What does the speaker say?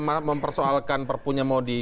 mempersoalkan perpunya mau di